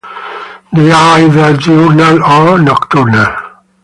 They are either diurnal or nocturnal.